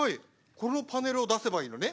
このパネルを出せばいいのね。